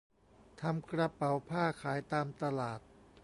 ทำกระเป๋าผ้าขายตามตลาด